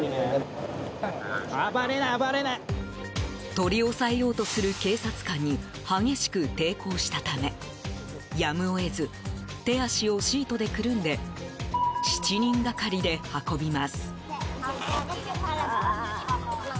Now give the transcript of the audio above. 取り押さえようとする警察官に激しく抵抗したためやむを得ず手足をシートでくるんで７人がかりで運びます。